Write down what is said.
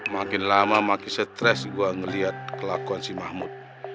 makin lama makin stres gue ngeliat kelakuan si mahmud